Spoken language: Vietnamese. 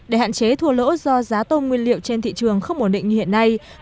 để hạn chế thua lỗ do giá tôm nguyên liệu trên thị trường không ổn định như hiện nay